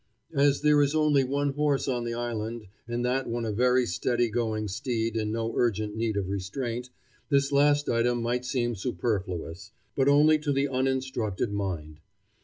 As there is only one horse on the island, and that one a very steady going steed in no urgent need of restraint, this last item might seem superfluous, but only to the uninstructed mind.